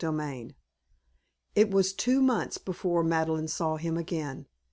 XLV It was two months before Madeleine saw him again.